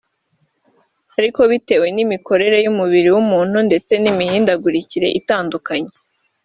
Ariko bitewe n’imikorere y’umubiri w’umuntu ndetse n’imihindagurikire itandukanye